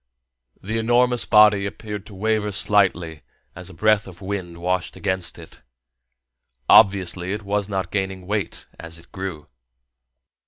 The enormous body appeared to waver slightly as a breath of wind washed against it: obviously it was not gaining weight as it grew.